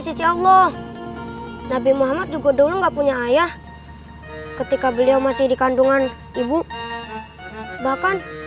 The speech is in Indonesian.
sisi allah nabi muhammad juga dulu enggak punya ayah ketika beliau masih di kandungan ibu bahkan